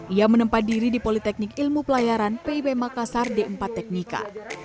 ia menempat diri di politeknik ilmu pelayaran pib makassar d empat teknika